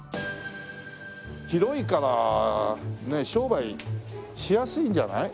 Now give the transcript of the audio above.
広いからね商売しやすいんじゃない？